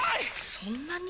そんなに！？